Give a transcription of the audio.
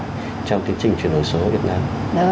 trong tiến trình chuyển đổi số việt nam